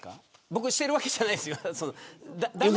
僕しているわけじゃないですよ。